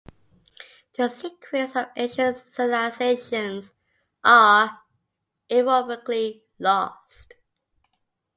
The secrets of ancient civilizations are irrevocably lost.